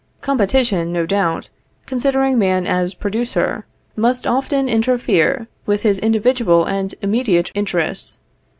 Competition, no doubt, considering man as producer, must often interfere with his individual and immediate interests.